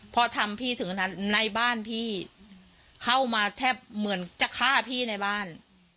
พอทำพี่ถึงขนาดในบ้านพี่เข้ามาแทบเหมือนจะฆ่าพี่ในบ้าน